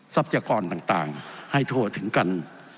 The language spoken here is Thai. ทรัพยากรต่างให้ทั่วถึงกัน